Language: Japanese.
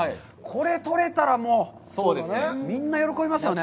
これ撮れたらみんな、喜びますよね。